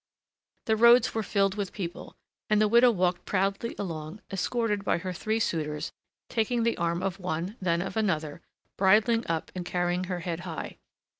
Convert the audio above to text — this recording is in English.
The roads were filled with people, and the widow walked proudly along, escorted by her three suitors, taking the arm of one, then of another, bridling up and carrying her head high.